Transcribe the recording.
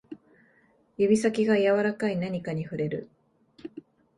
指先が柔らかい何かに触れる